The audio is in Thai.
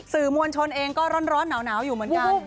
สื่อมวลชนเองก็ร้อนหนาวอยู่เหมือนกัน